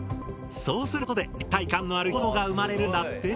そうすることで立体感のある表情が生まれるんだって。